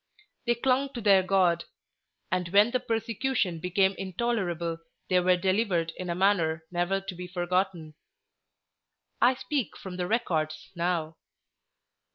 They clung to their God; and when the persecution became intolerable, they were delivered in a manner never to be forgotten. I speak from the records now.